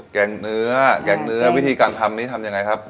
แกงเนื้อแกงเนื้อวิธีการทำนี้ทำยังไงครับ